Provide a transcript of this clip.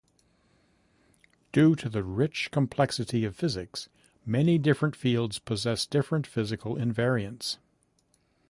Due to the rich complexity of physics, many different fields possess different physical invariants.